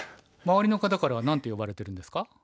周りの方からは何て呼ばれてるんですか？